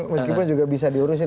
meskipun juga bisa diurusin